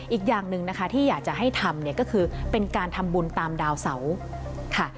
อีกอย่างหนึ่งนะคะที่อยากจะให้ทำเนี่ยก็คือเป็นการทำบุญตามดาวเสาค่ะ